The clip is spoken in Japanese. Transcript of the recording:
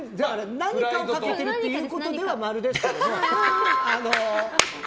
何かを賭けてるっていうことでは〇ですけれども。